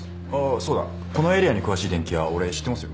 そうだこのエリアに詳しい電気屋俺知ってますよ。